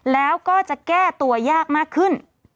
แล้วก็จะแก้ตัวยากมากขึ้น